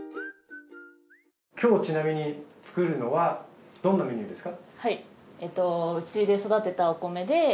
今日ちなみに作るのはどんなメニューですか？